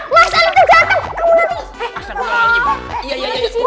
mas al udah dateng